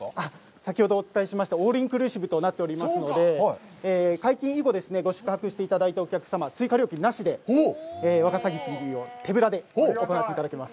先ほどお伝えしましたオールインクルーシブとなっておりますので、解禁以後、ご宿泊の追加料金なしでワカサギ釣りを手ぶらで行っていただけます。